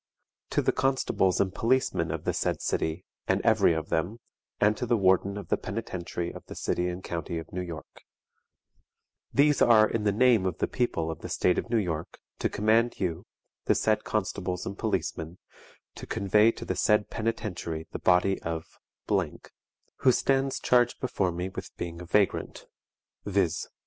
"To the Constables and Policemen of the said City, and every of them, and to the Warden of the Penitentiary of the City and County of New York: "THESE ARE IN THE NAME OF THE PEOPLE OF THE STATE OF NEW YORK, to command you, the said Constables and Policemen, to convey to the said PENITENTIARY the body of , who stands charged before me with being a VAGRANT, viz.